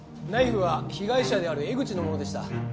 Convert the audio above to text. ナイフは被害者である江口のものでした。